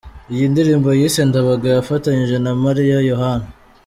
Iyi n’indirimbo yise "Ndabaga" yafatanyije na Mariya Yohana.